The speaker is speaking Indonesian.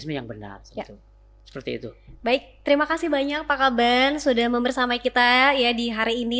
ismi yang benar seperti itu baik terima kasih banyak pak ablan sudah membersama kita ya di hari